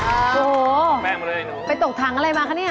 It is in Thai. โอ้โหไปตกถังอะไรมาคะเนี่ย